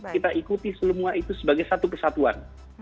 kita ikuti semua itu sebagai satu kesatuan